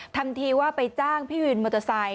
ทำทีว่าไปจ้างพี่วินมอเตอร์ไซค